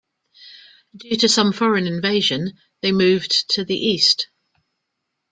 Due to some foreign invasion they moved to the East.